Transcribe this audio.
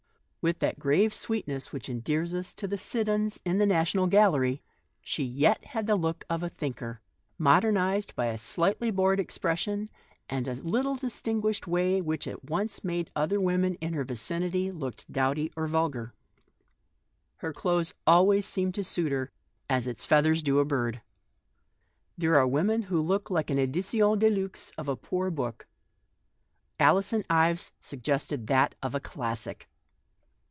With that grave sweetness which endears to us the Siddons in the National Gallery, she yet had the look of a thinker — modernised by a slightly bored expression — and a little distinguished way which at once made other women in her vicinity look 55 56 THE 8T0RY OF A MODERN WOMAN. dowdy or vulgar. Her clothes always seemed to suit her as its feathers do a bird. There are women who look like an edition de huve of a poor book; Alison Ives sug gested that of a classic.